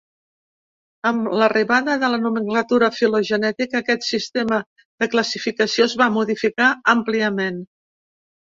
Amb l'arribada de la nomenclatura filogenètica, aquest sistema de classificació es va modificar àmpliament.